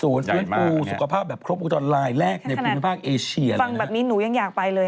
ศูนย์ฟื้นฟูสุขภาพแบบครบปกติตอนลายแรกในภูมิภาคเอเชียเลยนะฟังแบบนี้หนูยังอยากไปเลย